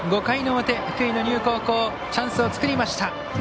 ５回の表、福井の丹生高校チャンスを作りました。